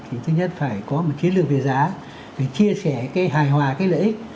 thì thứ nhất phải có một chiến lược về giá phải chia sẻ cái hài hòa cái lợi ích